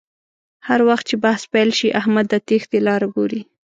هر وخت چې بحث پیل شي احمد د تېښتې لاره گوري